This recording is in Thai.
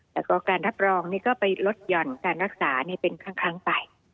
แล้วก็การรับรองนี่ก็ไปลดหย่อนการรักษาเป็นครั้งไป